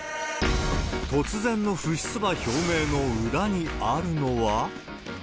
突然の不出馬表明の裏にあるのは。